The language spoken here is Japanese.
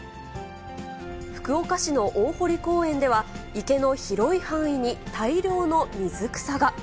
福岡市の大濠公園では、池の広い範囲に大量の水草が。